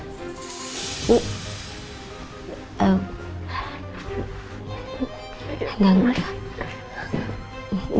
gak gak gak